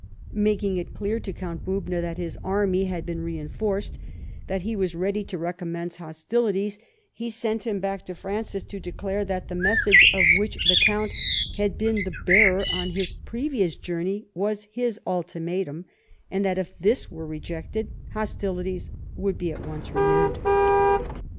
Making it clear to Count Bubna that his army had been reinforced, that he was ready to recommence hostilities, he sent him back to Francis to declare that the message of which the Count had been the bearer on his previous journey was his ultimatum, and that if that were rejected, hostilities would be at once renewed.